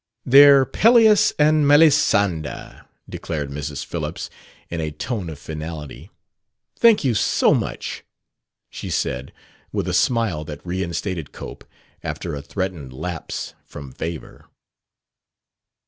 "They're Pelleas and Melisande," declared Mrs. Phillips, in a tone of finality. "Thank you so much," she said, with a smile that reinstated Cope after a threatened lapse from favor.